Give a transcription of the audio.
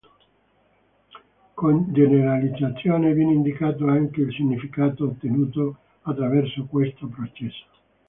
Con generalizzazione viene indicato anche il significato ottenuto attraverso questo processo.